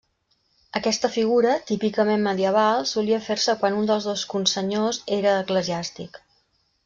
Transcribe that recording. Aquesta figura, típicament medieval, solia fer-se quan un dels dos consenyors era eclesiàstic.